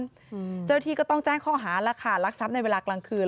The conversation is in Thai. เจอกันทุกอาทิตย์ก็ต้องแจ้งข้อหารรักทรัพย์ในเวลากลางคืน